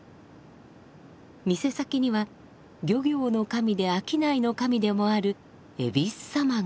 店先には漁業の神で商いの神でもあるえびす様が。